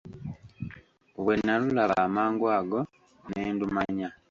Bwe nnalulaba amangu ago ne ndumanya.